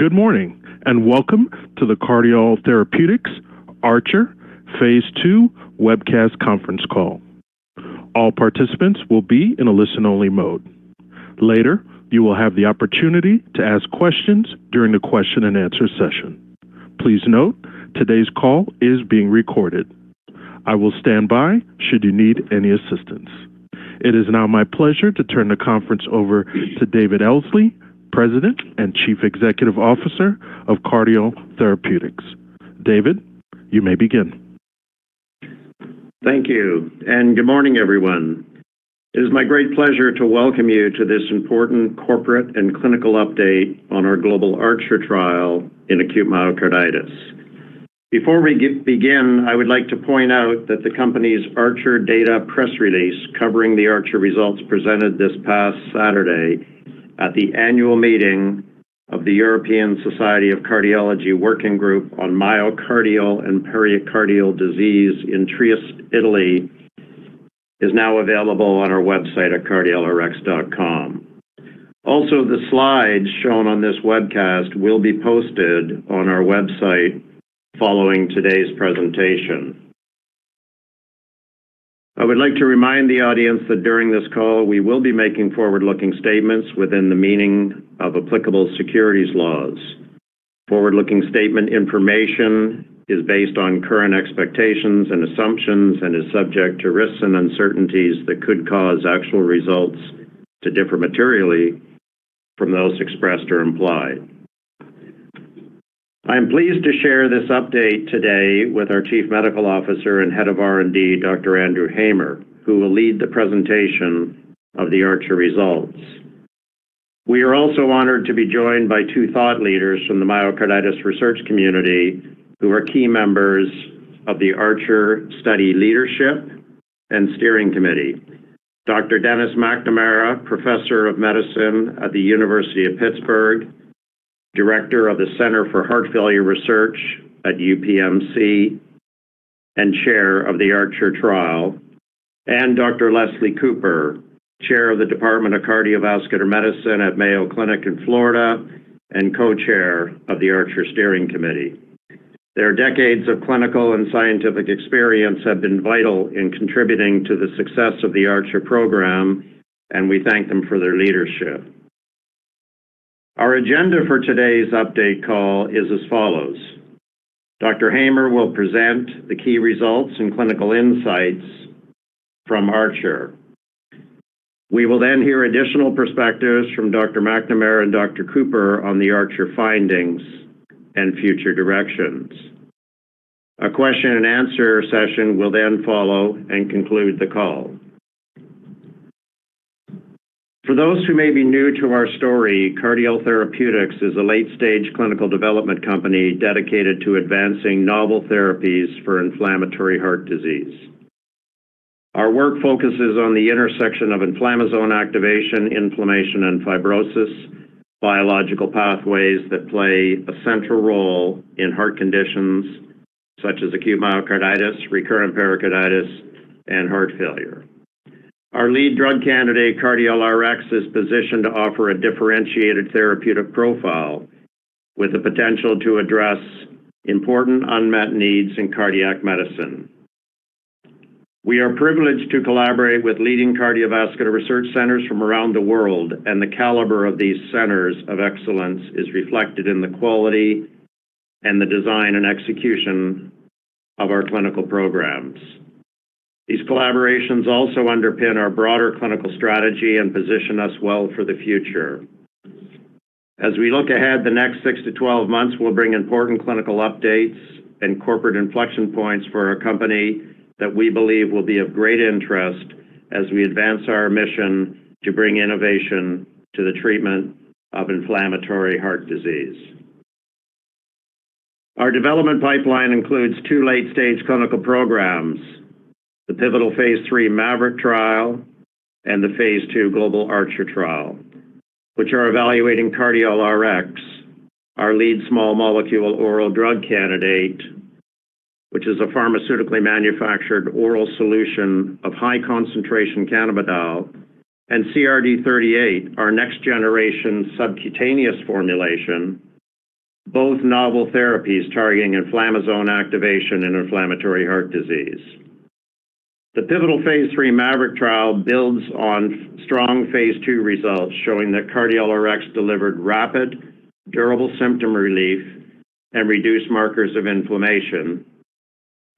Good morning, and welcome to the Cardiol Therapeutics Archer phase webcast conference call. All participants will be in a listen-only mode. Later, you will have the opportunity to ask questions during the question-and-answer session. Please note, today's call is being recorded. I will stand by should you need any assistance. It is now my pleasure to turn the conference over to David Elsley, President and Chief Executive Officer of Cardiol Therapeutics. David, you may begin. Thank you, and good morning, everyone. It is my great pleasure to welcome you to this important corporate and clinical update on our Global ARCHER trial in acute myocarditis. Before we begin, I would like to point out that the company's ARCHER data press release covering the ARCHER results presented this past Saturday at the annual meeting of the European Society of Cardiology Working Group on Myocardial and Pericardial Disease in Trieste, Italy, is now available on our website at cardiolrx.com. Also, the slides shown on this webcast will be posted on our website following today's presentation. I would like to remind the audience that during this call, we will be making forward-looking statements within the meaning of applicable securities laws. Forward-looking statement information is based on current expectations and assumptions and is subject to risks and uncertainties that could cause actual results to differ materially from those expressed or implied. I am pleased to share this update today with our Chief Medical Officer and Head of R&D, Dr. Andrew Hamer, who will lead the presentation of the Archer results. We are also honored to be joined by two thought leaders from the myocarditis research community who are key members of the Archer study leadership and steering committee: Dr. Dennis McNamara, Professor of Medicine at the University of Pittsburgh, Director of the Center for Heart Failure Research at UPMC, and Chair of the Archer trial, and Dr. Leslie Cooper, Chair of the Department of Cardiovascular Medicine at Mayo Clinic in Florida and Co-Chair of the Archer Steering Committee. Their decades of clinical and scientific experience have been vital in contributing to the success of the ARCHER program, and we thank them for their leadership. Our agenda for today's update call is as follows: Dr. Hamer will present the key results and clinical insights from ARCHER. We will then hear additional perspectives from Dr. McNamara and Dr. Cooper on the ARCHER findings and future directions. A question-and-answer session will then follow and conclude the call. For those who may be new to our story, Cardiol Therapeutics is a late-stage clinical development company dedicated to advancing novel therapies for inflammatory heart disease. Our work focuses on the intersection of inflammasome activation, inflammation, and fibrosis, biological pathways that play a central role in heart conditions such as acute myocarditis, recurrent pericarditis, and heart failure. Our lead drug candidate, Cardiol Rx, is positioned to offer a differentiated therapeutic profile with the potential to address important unmet needs in cardiac medicine. We are privileged to collaborate with leading cardiovascular research centers from around the world, and the caliber of these centers of excellence is reflected in the quality and the design and execution of our clinical programs. These collaborations also underpin our broader clinical strategy and position us well for the future. As we look ahead, the next 6 to 12 months will bring important clinical updates and corporate inflection points for our company that we believe will be of great interest as we advance our mission to bring innovation to the treatment of inflammatory heart disease. Our development pipeline includes two late-stage clinical programs: the pivotal phase III MAVERICK trial and the phase II global ARCHER trial, which are evaluating Cardiol Rx, our lead small molecule oral drug candidate, which is a pharmaceutically manufactured oral solution of high-concentration cannabidiol, and CRD38, our next-generation subcutaneous formulation, both novel therapies targeting inflammasome activation in inflammatory heart disease. The pivotal phase III MAVERICK trial builds on strong phase II results showing that Cardiol Rx delivered rapid, durable symptom relief and reduced markers of inflammation,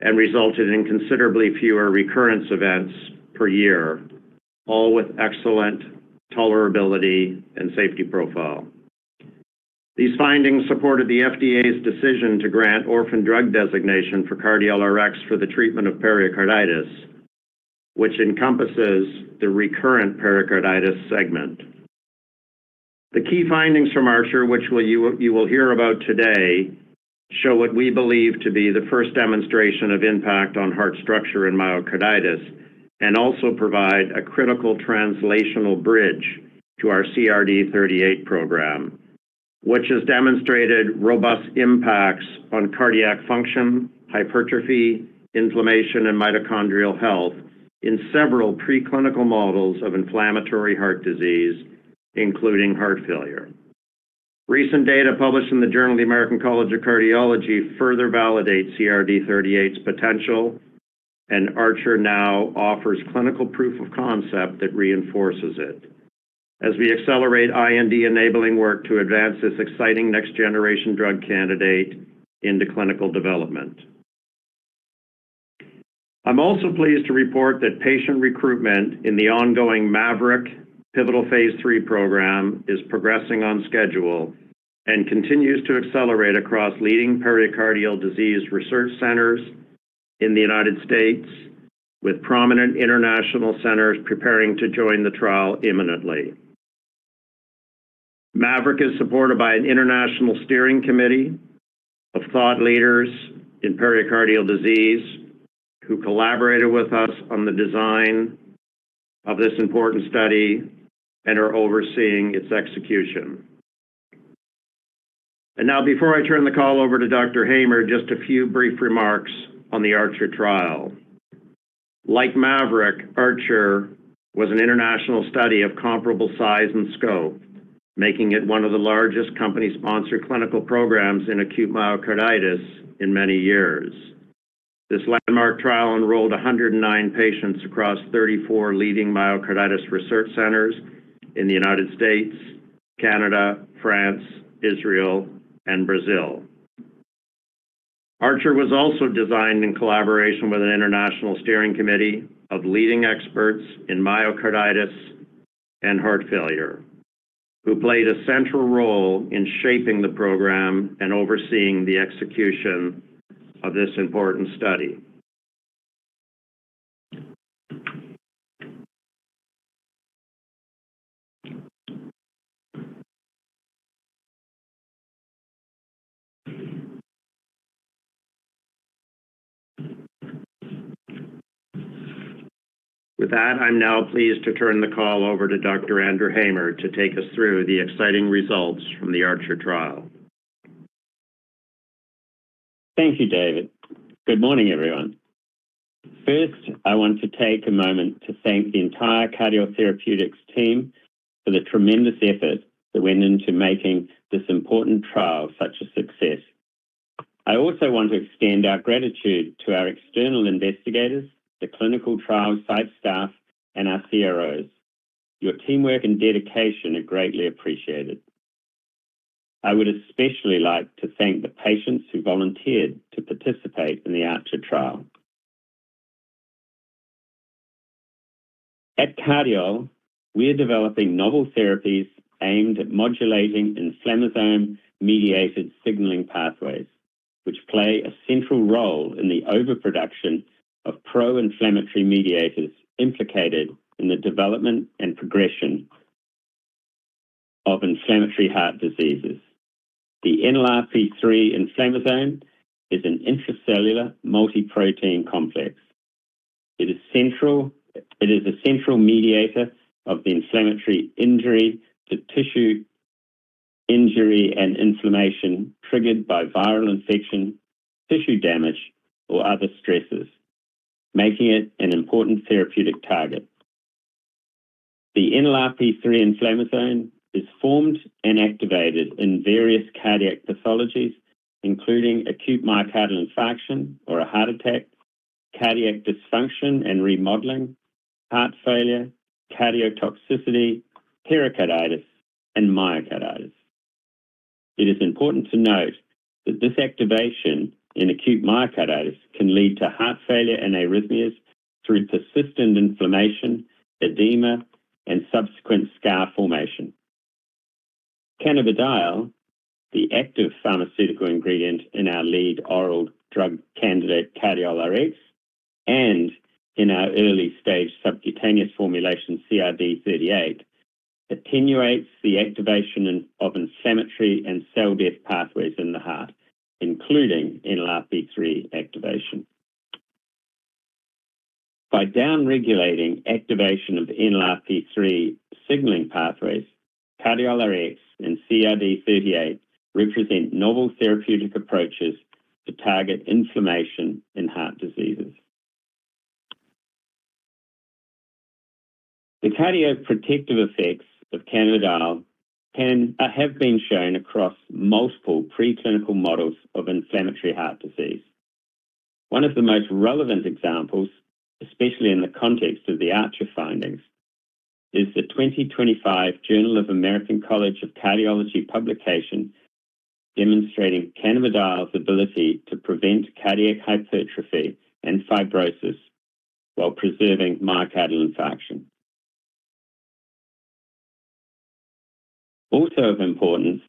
and resulted in considerably fewer recurrence events per year, all with excellent tolerability and safety profile. These findings supported the FDA's decision to grant orphan drug designation for Cardiol Rx for the treatment of pericarditis, which encompasses the recurrent pericarditis segment. The key findings from Archer, which you will hear about today, show what we believe to be the first demonstration of impact on heart structure in myocarditis and also provide a critical translational bridge to our CRD38 program, which has demonstrated robust impacts on cardiac function, hypertrophy, inflammation, and mitochondrial health in several preclinical models of inflammatory heart disease, including heart failure. Recent data published in the Journal of the American College of Cardiology further validates CRD38's potential, and Archer now offers clinical proof of concept that reinforces it as we accelerate IND-enabling work to advance this exciting next-generation drug candidate into clinical development. I'm also pleased to report that patient recruitment in the ongoing Maverick pivotal phase III program is progressing on schedule and continues to accelerate across leading pericardial disease research centers in the United States, with prominent international centers preparing to join the trial imminently. MAVERICK is supported by an international steering committee of thought leaders in pericardial disease who collaborated with us on the design of this important study and are overseeing its execution. Now, before I turn the call over to Dr. Hamer, just a few brief remarks on the ARCHER trial. Like MAVERICK, ARCHER was an international study of comparable size and scope, making it one of the largest company-sponsored clinical programs in acute myocarditis in many years. This landmark trial enrolled 109 patients across 34 leading myocarditis research centers in the United States, Canada, France, Israel, and Brazil. ARCHER was also designed in collaboration with an international steering committee of leading experts in myocarditis and heart failure who played a central role in shaping the program and overseeing the execution of this important study. With that, I am now pleased to turn the call over to Dr. Andrew Hamer to take us through the exciting results from the ARCHER trial. Thank you, David. Good morning, everyone. First, I want to take a moment to thank the entire Cardiol Therapeutics team for the tremendous effort that went into making this important trial such a success. I also want to extend our gratitude to our external investigators, the clinical trial site staff, and our CROs. Your teamwork and dedication are greatly appreciated. I would especially like to thank the patients who volunteered to participate in the ARCHER trial. At Cardiol, we're developing novel therapies aimed at modulating inflammasome-mediated signaling pathways, which play a central role in the overproduction of pro-inflammatory mediators implicated in the development and progression of inflammatory heart diseases. The NLRP3 inflammasome is an intracellular multiprotein complex. It is a central mediator of the inflammatory injury to tissue injury and inflammation triggered by viral infection, tissue damage, or other stresses, making it an important therapeutic target. The NLRP3 inflammasome is formed and activated in various cardiac pathologies, including acute myocardial infarction or a heart attack, cardiac dysfunction and remodeling, heart failure, cardiotoxicity, pericarditis, and myocarditis. It is important to note that this activation in acute myocarditis can lead to heart failure and arrhythmias through persistent inflammation, edema, and subsequent scar formation. Cannabidiol, the active pharmaceutical ingredient in our lead oral drug candidate Cardiol Rx and in our early-stage subcutaneous formulation CRD38, attenuates the activation of inflammatory and cell death pathways in the heart, including NLRP3 activation. By downregulating activation of NLRP3 signaling pathways, Cardiol Rx and CRD38 represent novel therapeutic approaches to target inflammation in heart diseases. The cardioprotective effects of cannabidiol have been shown across multiple preclinical models of inflammatory heart disease. One of the most relevant examples, especially in the context of the ARCHER findings, is the 2025 Journal of the American College of Cardiology publication demonstrating cannabidiol's ability to prevent cardiac hypertrophy and fibrosis while preserving myocardial infarction. Also of importance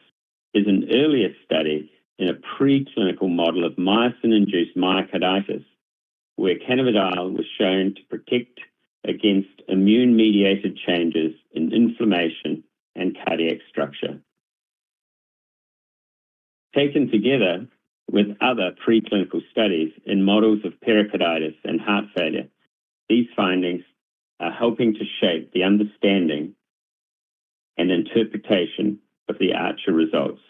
is an earlier study in a preclinical model of myosin-induced myocarditis, where cannabidiol was shown to protect against immune-mediated changes in inflammation and cardiac structure. Taken together with other preclinical studies in models of pericarditis and heart failure, these findings are helping to shape the understanding and interpretation of the ARCHER results.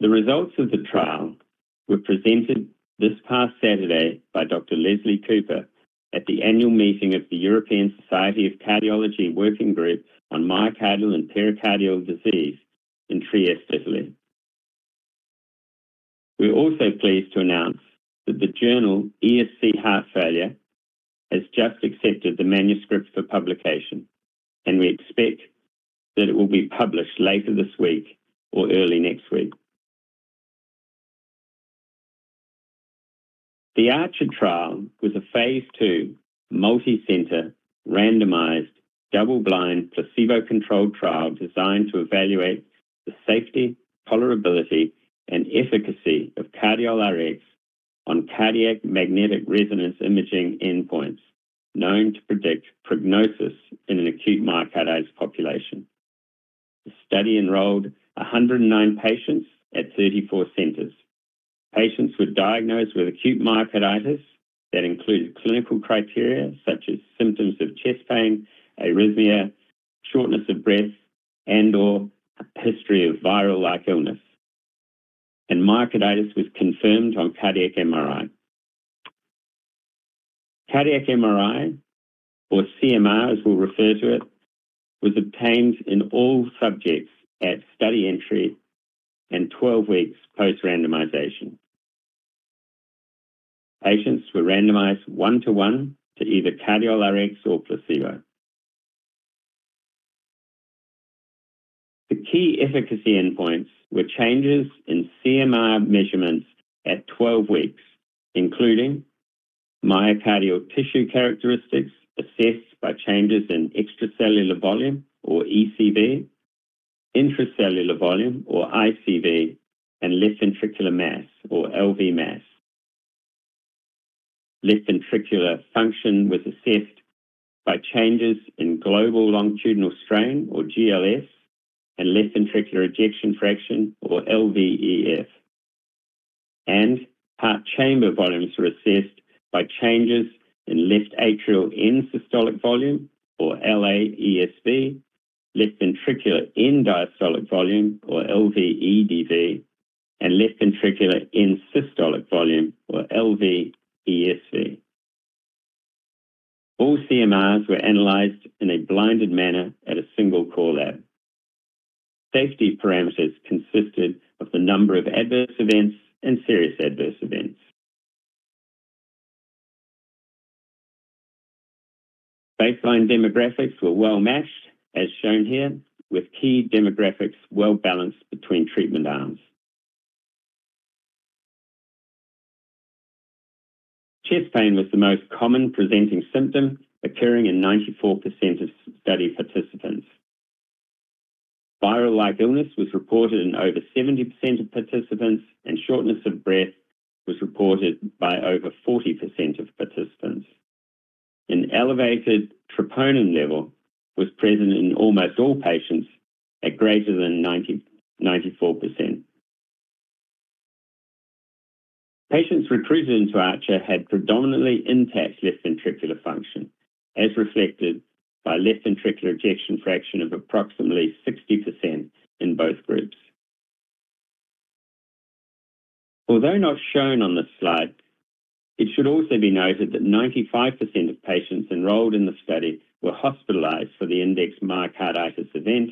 The results of the trial were presented this past Saturday by Dr. Leslie Cooper at the annual meeting of the European Society of Cardiology Working Group on Myocardial and Pericardial Disease in Trieste, Italy. We're also pleased to announce that the journal ESC Heart Failure has just accepted the manuscript for publication, and we expect that it will be published later this week or early next week. The ARCHER trial was a phase II multi-center, randomized, double-blind, placebo-controlled trial designed to evaluate the safety, tolerability, and efficacy of Cardiol Rx on cardiac magnetic resonance imaging endpoints known to predict prognosis in an acute myocarditis population. The study enrolled 109 patients at 34 centers. Patients were diagnosed with acute myocarditis that included clinical criteria such as symptoms of chest pain, arrhythmia, shortness of breath, and/or a history of viral-like illness, and myocarditis was confirmed on cardiac MRI. Cardiac MRI, or CMR as we'll refer to it, was obtained in all subjects at study entry and 12 weeks post-randomization. Patients were randomized one-to-one to either Cardiol Rx or placebo. The key efficacy endpoints were changes in CMR measurements at 12 weeks, including myocardial tissue characteristics assessed by changes in extracellular volume, or ECV, intracellular volume, or ICV, and left ventricular mass, or LV mass. Left ventricular function was assessed by changes in global longitudinal strain, or GLS, and left ventricular ejection fraction, or LVEF. Heart chamber volumes were assessed by changes in left atrial end-systolic volume, or LAESV, left ventricular end-diastolic volume, or LVEDV, and left ventricular end-systolic volume, or LVESV. All CMRs were analyzed in a blinded manner at a single core lab. Safety parameters consisted of the number of adverse events and serious adverse events. Baseline demographics were well matched, as shown here, with key demographics well balanced between treatment arms. Chest pain was the most common presenting symptom occurring in 94% of study participants. Viral-like illness was reported in over 70% of participants, and shortness of breath was reported by over 40% of participants. An elevated troponin level was present in almost all patients at greater than 94%. Patients recruited into ARCHER had predominantly intact left ventricular function, as reflected by left ventricular ejection fraction of approximately 60% in both groups. Although not shown on this slide, it should also be noted that 95% of patients enrolled in the study were hospitalized for the indexed myocarditis event,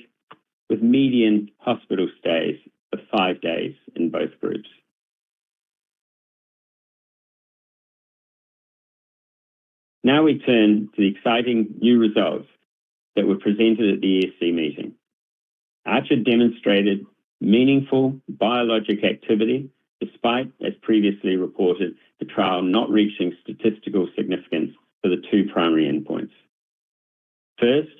with median hospital stays of five days in both groups. Now we turn to the exciting new results that were presented at the ESC meeting. ARCHER demonstrated meaningful biologic activity despite, as previously reported, the trial not reaching statistical significance for the two primary endpoints. First,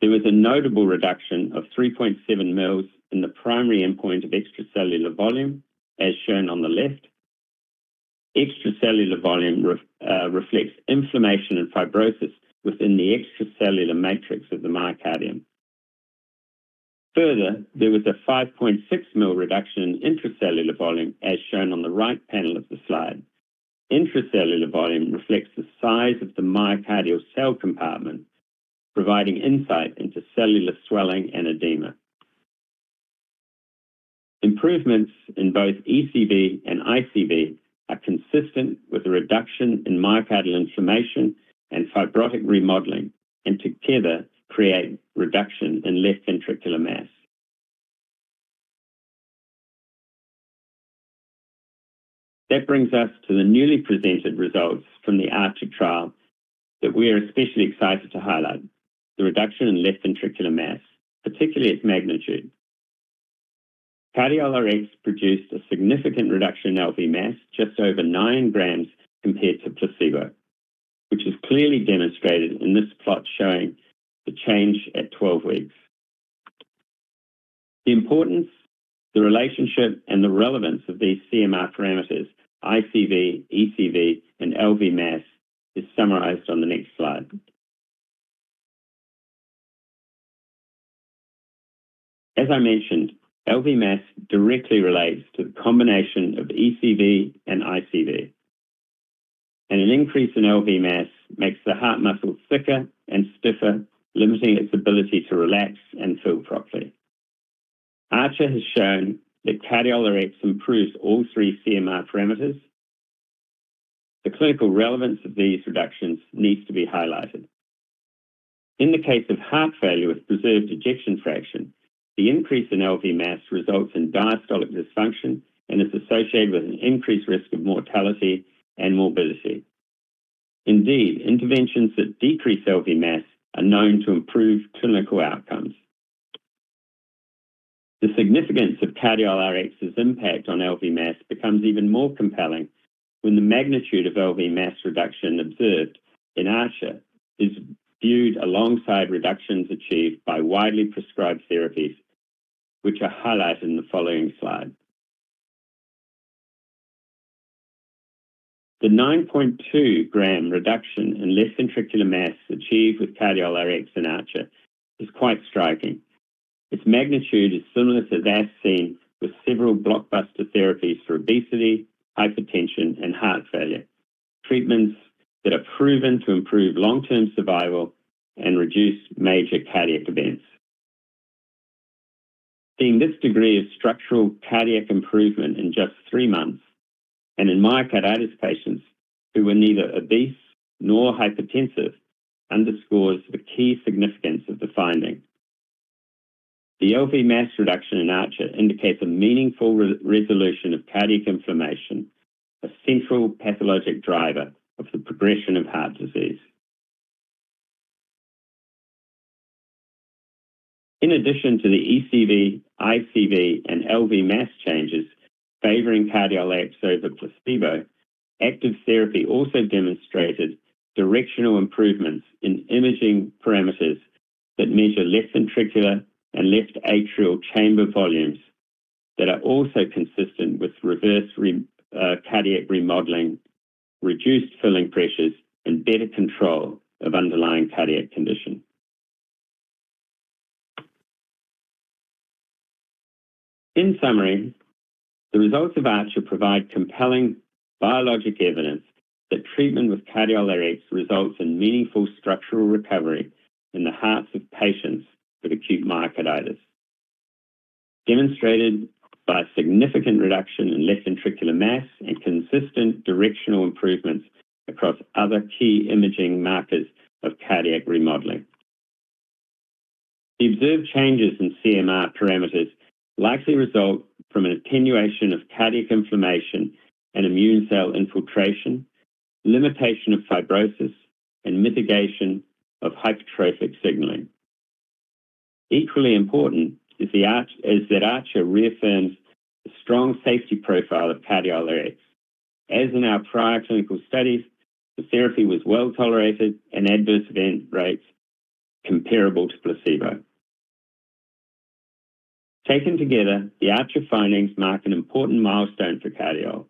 there was a notable reduction of 3.7 ml in the primary endpoint of extracellular volume, as shown on the left. Extracellular volume reflects inflammation and fibrosis within the extracellular matrix of the myocardium. Further, there was a 5.6 ml reduction in intracellular volume, as shown on the right panel of the slide. Intracellular volume reflects the size of the myocardial cell compartment, providing insight into cellular swelling and edema. Improvements in both ECV and ICV are consistent with a reduction in myocardial inflammation and fibrotic remodeling, and together create reduction in left ventricular mass. That brings us to the newly presented results from the ARCHER trial that we are especially excited to highlight: the reduction in left ventricular mass, particularly at magnitude. Cardiol Rx produced a significant reduction in LV mass, just over 9 grams compared to placebo, which is clearly demonstrated in this plot showing the change at 12 weeks. The importance, the relationship, and the relevance of these CMR parameters, ICV, ECV, and LV mass, is summarized on the next slide. As I mentioned, LV mass directly relates to the combination of ECV and ICV, and an increase in LV mass makes the heart muscle thicker and stiffer, limiting its ability to relax and fill properly. Archer has shown that Cardiol Rx improves all three CMR parameters. The clinical relevance of these reductions needs to be highlighted. In the case of heart failure with preserved ejection fraction, the increase in LV mass results in diastolic dysfunction and is associated with an increased risk of mortality and morbidity. Indeed, interventions that decrease LV mass are known to improve clinical outcomes. The significance of Cardiol Rx's impact on LV mass becomes even more compelling when the magnitude of LV mass reduction observed in Archer is viewed alongside reductions achieved by widely prescribed therapies, which are highlighted in the following slide. The 9.2 gram reduction in left ventricular mass achieved with Cardiol Rx in Archer is quite striking. Its magnitude is similar to that seen with several blockbuster therapies for obesity, hypertension, and heart failure, treatments that are proven to improve long-term survival and reduce major cardiac events. Seeing this degree of structural cardiac improvement in just three months and in myocarditis patients who were neither obese nor hypertensive underscores the key significance of the finding. The LV mass reduction in Archer indicates a meaningful resolution of cardiac inflammation, a central pathologic driver of the progression of heart disease. In addition to the ECV, ICV, and LV mass changes favoring Cardiol Rx over placebo, active therapy also demonstrated directional improvements in imaging parameters that measure left ventricular and left atrial chamber volumes that are also consistent with reverse cardiac remodeling, reduced filling pressures, and better control of underlying cardiac condition. In summary, the results of Archer provide compelling biologic evidence that treatment with Cardiol Rx results in meaningful structural recovery in the hearts of patients with acute myocarditis, demonstrated by significant reduction in left ventricular mass and consistent directional improvements across other key imaging markers of cardiac remodeling. The observed changes in CMR parameters likely result from an attenuation of cardiac inflammation and immune cell infiltration, limitation of fibrosis, and mitigation of hypertrophic signaling. Equally important is that Archer reaffirms the strong safety profile of Cardiol Rx. As in our prior clinical studies, the therapy was well tolerated and adverse event rates comparable to placebo. Taken together, the ARCHER findings mark an important milestone for Cardiol.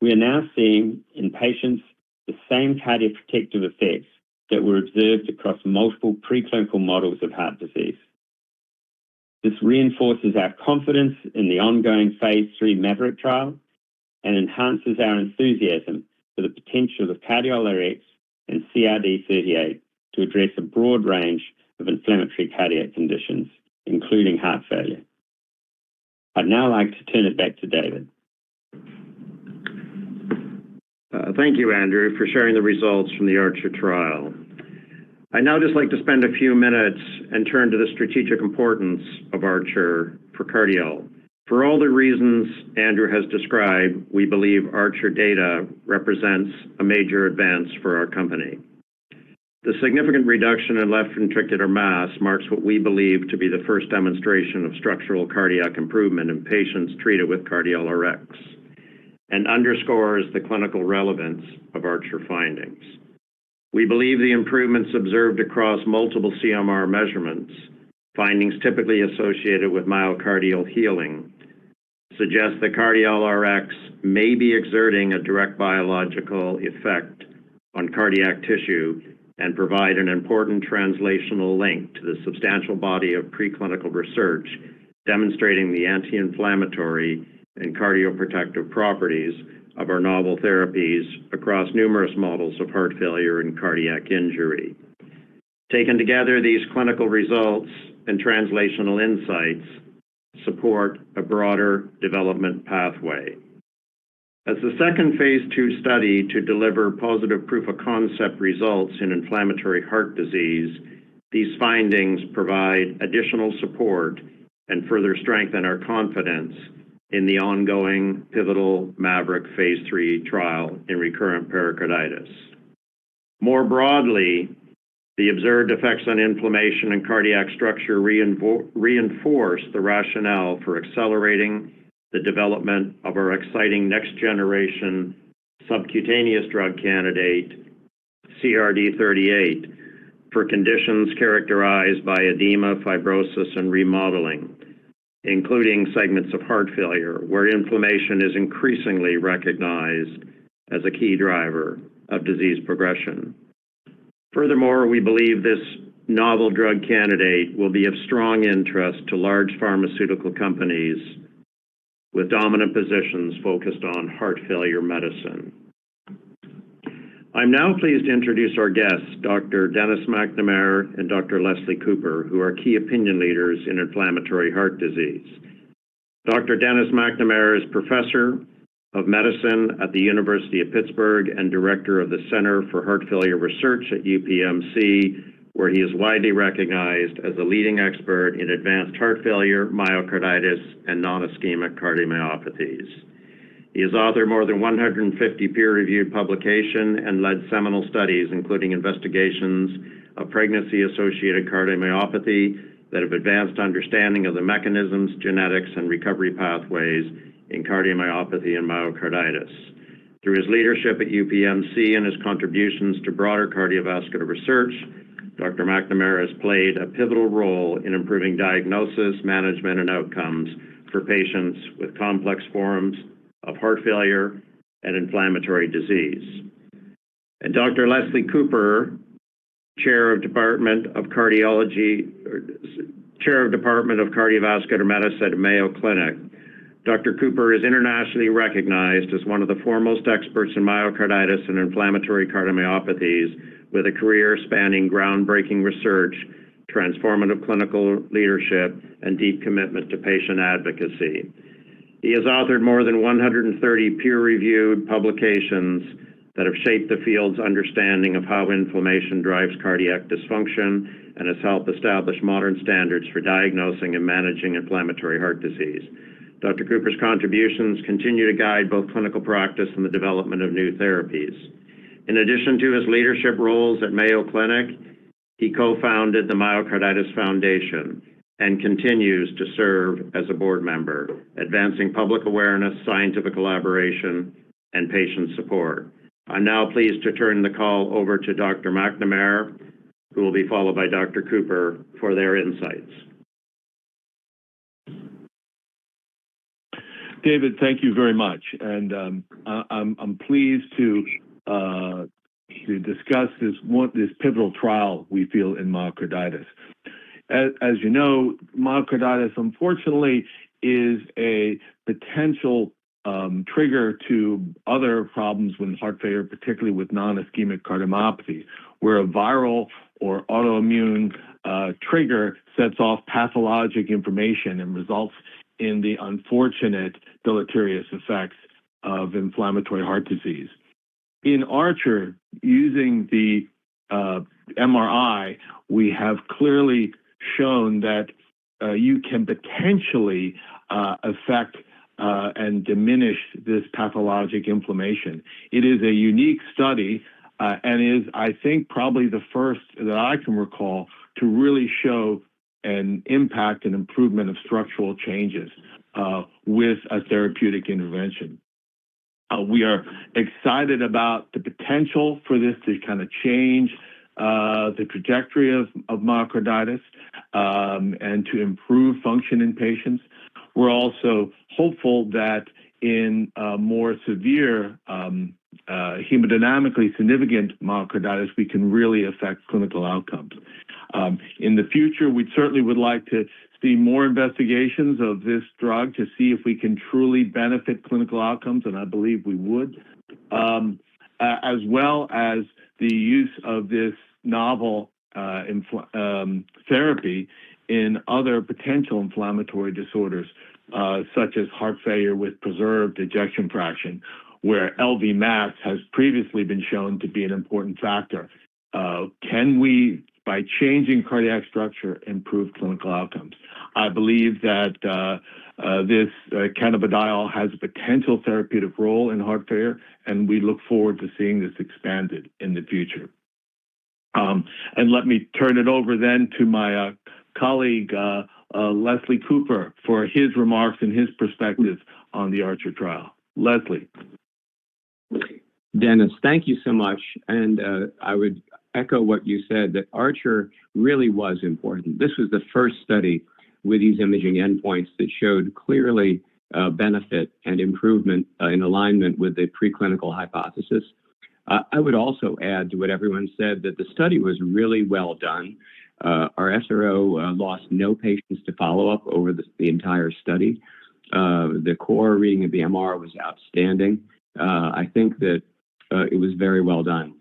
We are now seeing in patients the same cardiac protective effects that were observed across multiple preclinical models of heart disease. This reinforces our confidence in the ongoing phase III MAVERICK trial and enhances our enthusiasm for the potential of Cardiol Rx and CRD-38 to address a broad range of inflammatory cardiac conditions, including heart failure. I'd now like to turn it back to David. Thank you, Andrew, for sharing the results from the ARCHER trial. I'd now just like to spend a few minutes and turn to the strategic importance of ARCHER for Cardiol. For all the reasons Andrew has described, we believe ARCHER data represents a major advance for our company. The significant reduction in left ventricular mass marks what we believe to be the first demonstration of structural cardiac improvement in patients treated with Cardiol Rx and underscores the clinical relevance of ARCHER findings. We believe the improvements observed across multiple CMR measurements, findings typically associated with myocardial healing, suggest that Cardiol Rx may be exerting a direct biological effect on cardiac tissue and provide an important translational link to the substantial body of preclinical research demonstrating the anti-inflammatory and cardioprotective properties of our novel therapies across numerous models of heart failure and cardiac injury. Taken together, these clinical results and translational insights support a broader development pathway. As the second phase II study to deliver positive proof of concept results in inflammatory heart disease, these findings provide additional support and further strengthen our confidence in the ongoing pivotal MAVERICK phase III trial in recurrent pericarditis. More broadly, the observed effects on inflammation and cardiac structure reinforce the rationale for accelerating the development of our exciting next-generation subcutaneous drug candidate, CRD38, for conditions characterized by edema, fibrosis, and remodeling, including segments of heart failure where inflammation is increasingly recognized as a key driver of disease progression. Furthermore, we believe this novel drug candidate will be of strong interest to large pharmaceutical companies with dominant positions focused on heart failure medicine. I'm now pleased to introduce our guests, Dr. Dennis McNamara and Dr. Leslie Cooper, who are key opinion leaders in inflammatory heart disease. Dr. Dennis McNamara is Professor of Medicine at the University of Pittsburgh and Director of the Center for Heart Failure Research at UPMC, where he is widely recognized as a leading expert in advanced heart failure, myocarditis, and nonischemic cardiomyopathies. He has authored more than 150 peer-reviewed publications and led seminal studies, including investigations of pregnancy-associated cardiomyopathy that have advanced understanding of the mechanisms, genetics, and recovery pathways in cardiomyopathy and myocarditis. Through his leadership at UPMC and his contributions to broader cardiovascular research, Dr. McNamara has played a pivotal role in improving diagnosis, management, and outcomes for patients with complex forms of heart failure and inflammatory disease. Dr. Leslie Cooper, Chair of Department of Cardiology, Chair of Department of Cardiovascular Medicine at Mayo Clinic, is internationally recognized as one of the foremost experts in myocarditis and inflammatory cardiomyopathies with a career spanning groundbreaking research, transformative clinical leadership, and deep commitment to patient advocacy. He has authored more than 130 peer-reviewed publications that have shaped the field's understanding of how inflammation drives cardiac dysfunction and has helped establish modern standards for diagnosing and managing inflammatory heart disease. Dr. Cooper's contributions continue to guide both clinical practice and the development of new therapies. In addition to his leadership roles at Mayo Clinic, he co-founded the Myocarditis Foundation and continues to serve as a board member, advancing public awareness, scientific collaboration, and patient support. I'm now pleased to turn the call over to Dr. McNamara, who will be followed by Dr. Cooper for their insights. David, thank you very much. I'm pleased to discuss this pivotal trial we feel in myocarditis. As you know, myocarditis, unfortunately, is a potential trigger to other problems with heart failure, particularly with nonischemic cardiomyopathy, where a viral or autoimmune trigger sets off pathologic inflammation and results in the unfortunate deleterious effects of inflammatory heart disease. In Archer, using the MRI, we have clearly shown that you can potentially affect and diminish this pathologic inflammation. It is a unique study and is, I think, probably the first that I can recall to really show an impact and improvement of structural changes with a therapeutic intervention. We are excited about the potential for this to kind of change the trajectory of myocarditis and to improve function in patients. We're also hopeful that in more severe hemodynamically significant myocarditis, we can really affect clinical outcomes. In the future, we certainly would like to see more investigations of this drug to see if we can truly benefit clinical outcomes, and I believe we would, as well as the use of this novel therapy in other potential inflammatory disorders such as heart failure with preserved ejection fraction, where LV mass has previously been shown to be an important factor. Can we, by changing cardiac structure, improve clinical outcomes? I believe that this cannabidiol has a potential therapeutic role in heart failure, and we look forward to seeing this expanded in the future. Let me turn it over then to my colleague, Leslie Cooper, for his remarks and his perspective on the ARCHER trial. Leslie. Dennis, thank you so much. I would echo what you said, that ARCHER really was important. This was the first study with these imaging endpoints that showed clearly benefit and improvement in alignment with the preclinical hypothesis. I would also add to what everyone said that the study was really well done. Our SRO lost no patients to follow up over the entire study. The core reading of the MR was outstanding. I think that it was very well done.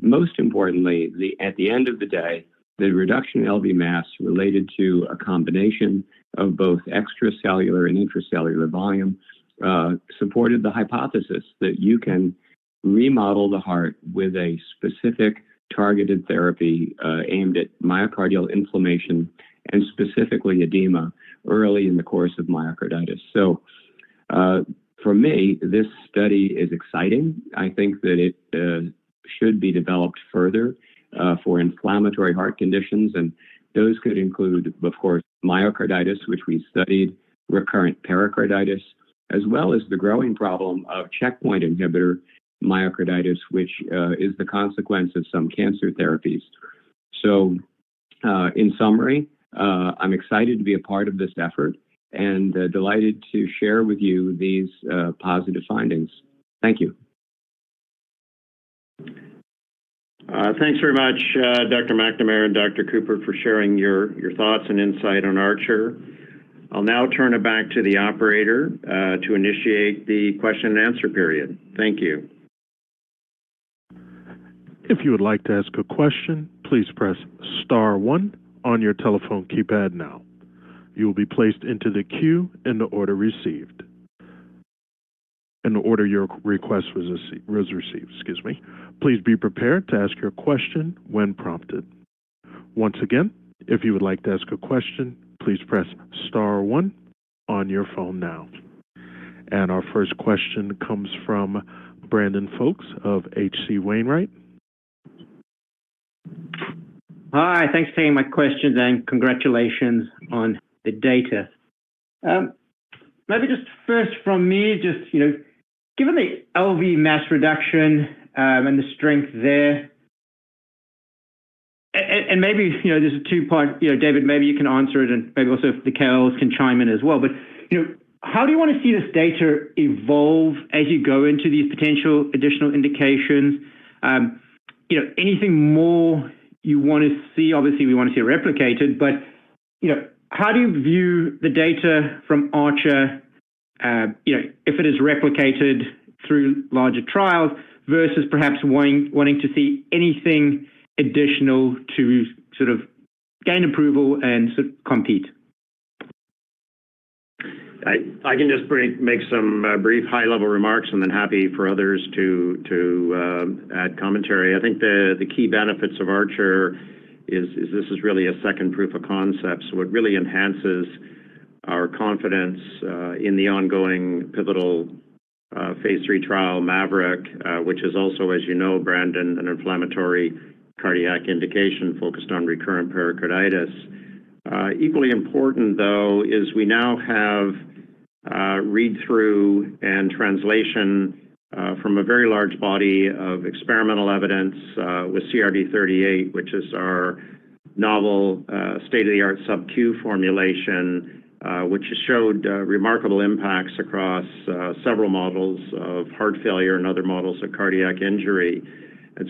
Most importantly, at the end of the day, the reduction in LV mass related to a combination of both extracellular and intracellular volume supported the hypothesis that you can remodel the heart with a specific targeted therapy aimed at myocardial inflammation and specifically edema early in the course of myocarditis. For me, this study is exciting. I think that it should be developed further for inflammatory heart conditions. Those could include, of course, myocarditis, which we studied, recurrent pericarditis, as well as the growing problem of checkpoint inhibitor myocarditis, which is the consequence of some cancer therapies. In summary, I'm excited to be a part of this effort and delighted to share with you these positive findings. Thank you. Thanks very much, Dr. McNamara and Dr. Cooper, for sharing your thoughts and insight on ARCHER. I'll now turn it back to the operator to initiate the question and answer period. Thank you. If you would like to ask a question, please press star one on your telephone keypad now. You will be placed into the queue in the order received. In the order your request was received, excuse me. Please be prepared to ask your question when prompted. Once again, if you would like to ask a question, please press star one on your phone now. Our first question comes from Brandon Fox of HC Wainwright. Hi. Thanks for taking my question and congratulations on the data. Maybe just first from me, just given the LV mass reduction and the strength there, and maybe there's a two-part. David, maybe you can answer it and maybe also the CMO can chime in as well. How do you want to see this data evolve as you go into these potential additional indications? Anything more you want to see? Obviously, we want to see it replicated. How do you view the data from ARCHER if it is replicated through larger trials versus perhaps wanting to see anything additional to sort of gain approval and compete? I can just make some brief high-level remarks and then happy for others to add commentary. I think the key benefits of ARCHER is this is really a second proof of concept. It really enhances our confidence in the ongoing pivotal phase III trial, MAVERICK, which is also, as you know, Brandon, an inflammatory cardiac indication focused on recurrent pericarditis. Equally important, though, is we now have read-through and translation from a very large body of experimental evidence with CRD-38, which is our novel state-of-the-art subQ formulation, which has showed remarkable impacts across several models of heart failure and other models of cardiac injury.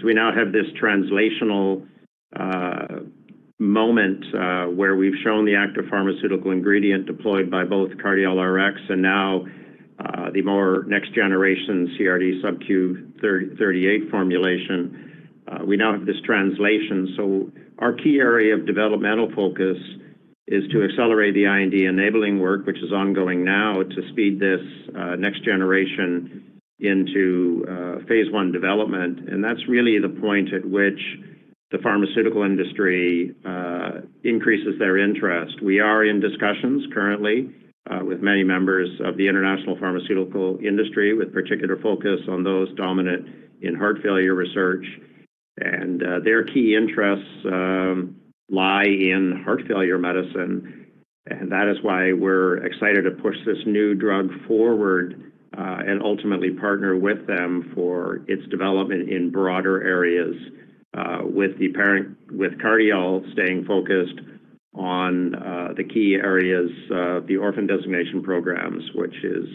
We now have this translational moment where we've shown the active pharmaceutical ingredient deployed by both Cardiol Rx and now the more next-generation CRD-38 subQ formulation. We now have this translation. Our key area of developmental focus is to accelerate the IND enabling work, which is ongoing now, to speed this next generation into phase I development. That's really the point at which the pharmaceutical industry increases their interest. We are in discussions currently with many members of the international pharmaceutical industry, with particular focus on those dominant in heart failure research. Their key interests lie in heart failure medicine. That is why we're excited to push this new drug forward and ultimately partner with them for its development in broader areas, with Cardiol staying focused on the key areas of the orphan designation programs, which is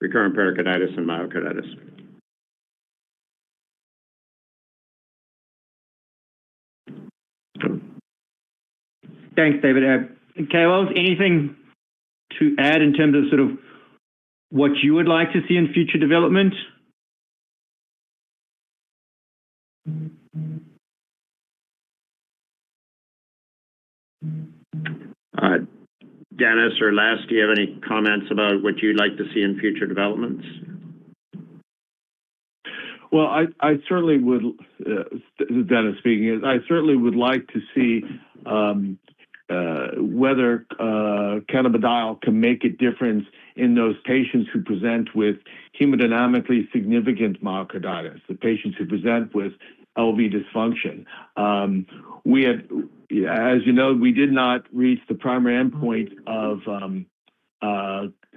recurrent pericarditis and myocarditis. Thanks, David. Caelos, anything to add in terms of sort of what you would like to see in future development? Dennis or Leslie, do you have any comments about what you'd like to see in future developments? Dennis speaking, I certainly would like to see whether cannabidiol can make a difference in those patients who present with hemodynamically significant myocarditis, the patients who present with LV dysfunction. As you know, we did not reach the primary endpoint of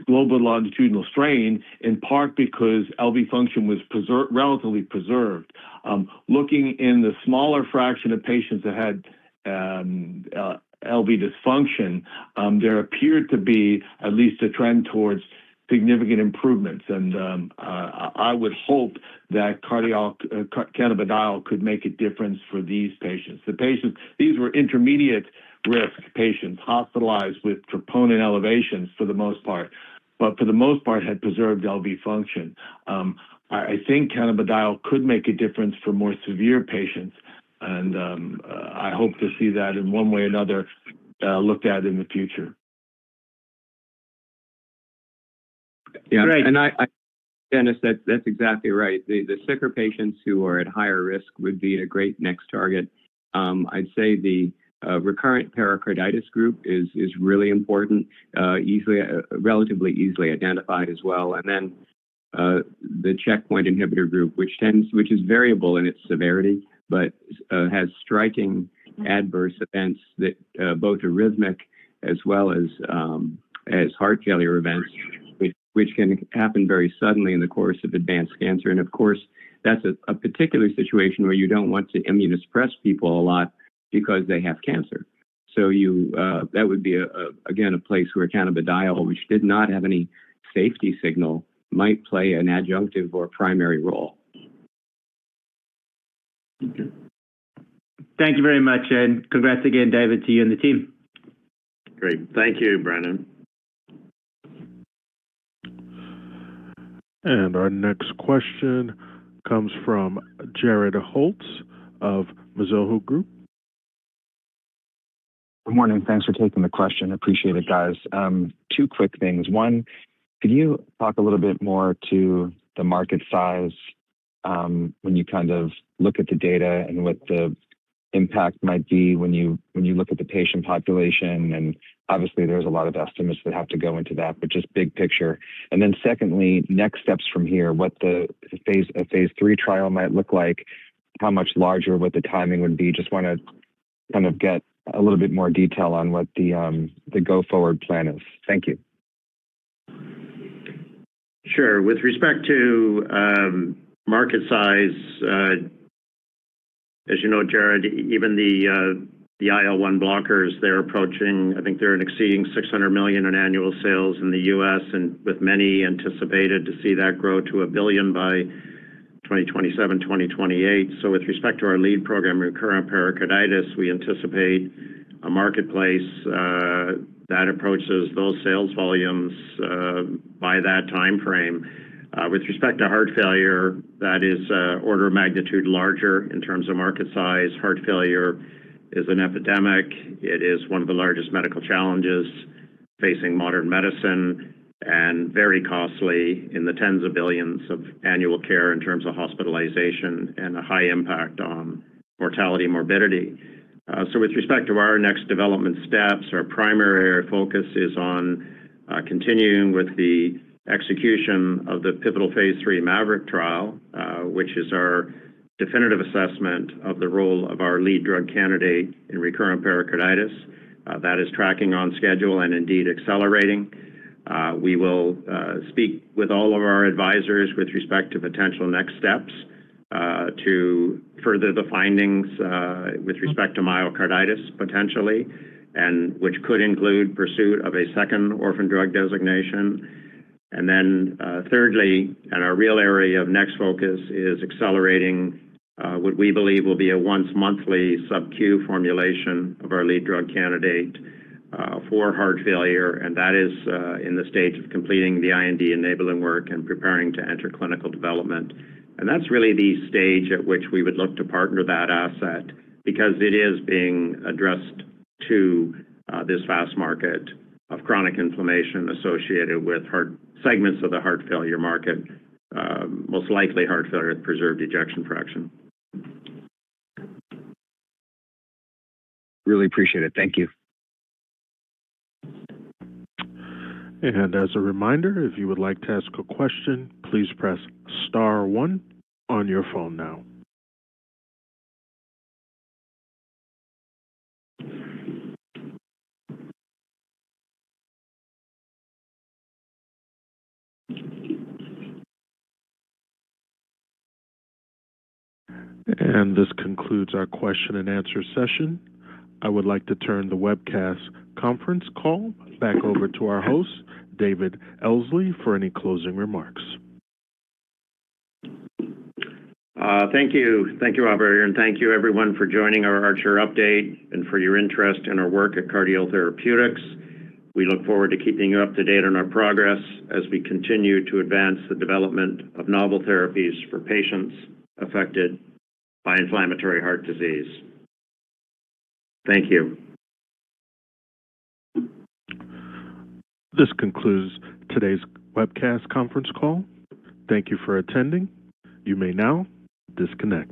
global longitudinal strain, in part because LV function was relatively preserved. Looking in the smaller fraction of patients that had LV dysfunction, there appeared to be at least a trend towards significant improvements. I would hope that cannabidiol could make a difference for these patients. These were intermediate risk patients hospitalized with troponin elevations for the most part, but for the most part had preserved LV function. I think cannabidiol could make a difference for more severe patients. I hope to see that in one way or another looked at in the future. Yeah. Dennis, that's exactly right. The sicker patients who are at higher risk would be a great next target. I'd say the recurrent pericarditis group is really important, relatively easily identified as well. Then the checkpoint inhibitor group, which is variable in its severity, but has striking adverse events that are both arrhythmic as well as heart failure events, which can happen very suddenly in the course of advanced cancer. Of course, that's a particular situation where you don't want to immunosuppress people a lot because they have cancer. That would be, again, a place where cannabidiol, which did not have any safety signal, might play an adjunctive or primary role. Thank you very much. Congrats again, David, to you and the team. Great. Thank you, Brandon. Our next question comes from Jared Holz of Mizuho Group. Good morning. Thanks for taking the question. Appreciate it, guys. Two quick things. One, can you talk a little bit more to the market size when you kind of look at the data and what the impact might be when you look at the patient population? Obviously, there's a lot of estimates that have to go into that, but just big picture. Secondly, next steps from here, what the phase III trial might look like, how much larger, what the timing would be. Just want to kind of get a little bit more detail on what the go-forward plan is. Thank you. Sure. With respect to market size, as you know, Jared, even the IL-1 blockers, they're approaching, I think they're exceeding $600 million in annual sales in the US, and with many anticipated to see that grow to $1 billion by 2027, 2028. With respect to our lead program, recurrent pericarditis, we anticipate a marketplace that approaches those sales volumes by that time frame. With respect to heart failure, that is order of magnitude larger in terms of market size. Heart failure is an epidemic. It is one of the largest medical challenges facing modern medicine and very costly in the tens of billions of annual care in terms of hospitalization and a high impact on mortality and morbidity. With respect to our next development steps, our primary focus is on continuing with the execution of the pivotal phase 3 Maverick trial, which is our definitive assessment of the role of our lead drug candidate in recurrent pericarditis that is tracking on schedule and indeed accelerating. We will speak with all of our advisors with respect to potential next steps to further the findings with respect to myocarditis potentially, which could include pursuit of a second orphan drug designation. Thirdly, our real area of next focus is accelerating what we believe will be a once-monthly subQ formulation of our lead drug candidate for heart failure. That is in the stage of completing the IND enabling work and preparing to enter clinical development. That is really the stage at which we would look to partner that asset because it is being addressed to this vast market of chronic inflammation associated with segments of the heart failure market, most likely heart failure with preserved ejection fraction. Really appreciate it. Thank you. As a reminder, if you would like to ask a question, please press star one on your phone now. This concludes our question and answer session. I would like to turn the webcast conference call back over to our host, David Elsley, for any closing remarks. Thank you. Thank you, Robert. Thank you, everyone, for joining our Archer update and for your interest in our work at Cardiol Therapeutics. We look forward to keeping you up to date on our progress as we continue to advance the development of novel therapies for patients affected by inflammatory heart disease. Thank you. This concludes today's webcast conference call. Thank you for attending. You may now disconnect.